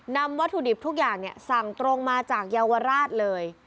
วัตถุดิบทุกอย่างสั่งตรงมาจากเยาวราชเลย